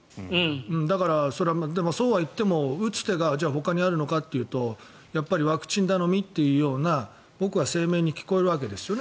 だからそうは言っても打つ手がほかにあるのかというとやっぱりワクチン頼みというような声明に聞こえるわけですよね。